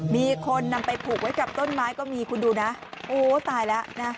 มีคนนำไปผูกไว้กับต้นไม้ก็มีคุณดูนะโอ้ตายแล้วนะ